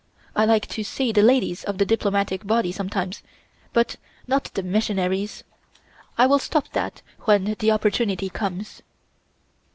I like to see the ladies of the Diplomatic body sometimes, but not the missionaries. I will stop that when the opportunity comes."